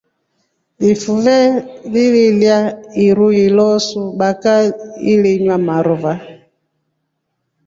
Ifuve lilya iru ilosuBaka ilinywa maruva.